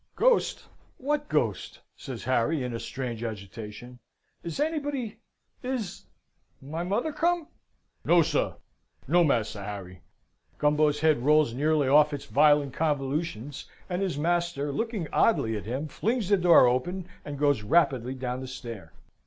"Ghost what ghost?" says Harry, in a strange agitation. Is anybody is my mother come?" "No, sir; no, Master Harry!" Gumbo's head rolls nearly off its violent convolutions, and his master, looking oddly at him, flings the door open, and goes rapidly down the stair.